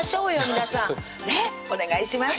皆さんねっお願いします